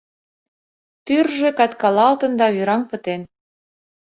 Тӱржӧ каткалалтын да вӱраҥ пытен.